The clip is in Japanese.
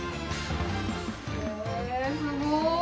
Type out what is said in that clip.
へえすごい。